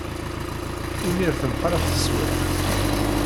Imir temxalaf teswiεt.